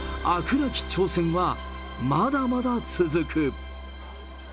なき挑戦はまだまだ続く。